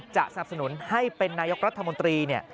จะสนับสนุนให้เป็นนายกรัฐมนตรี